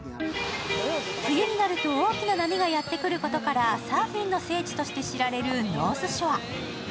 冬になると大きな波がやってくることからサーフィンの聖地として知られるノースショア。